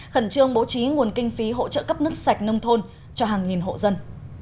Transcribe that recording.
khẩn trương bố trí nguồn kinh phí hỗ trợ cấp nước sạch nông thôn cho hàng nghìn hộ dân